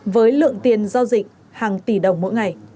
với lượng tiền giao dịch hàng tỷ đồng mỗi ngày